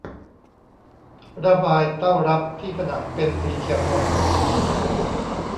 ระบายเต้ารับที่ผนังเป็นสีเขียวหม่น